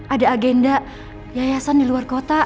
ada agenda yayasan di luar kota